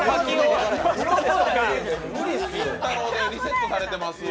りんたろーでリセットされてますわ。